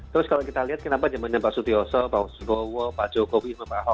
terus kalau kita lihat kenapa zamannya pak sutioso pak subowo pak jokowi sama pak ahok